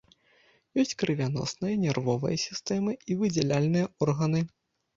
Ёсць крывяносная, нервовая сістэмы і выдзяляльныя органы.